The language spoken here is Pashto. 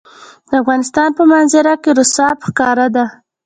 د افغانستان په منظره کې رسوب ښکاره ده.